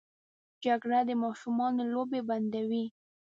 جګړه د ماشومانو لوبې بندوي